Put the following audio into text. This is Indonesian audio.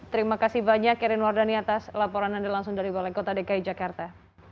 terima kasih banyak keren wardani atas laporan anda langsung dari balai kota dki jakarta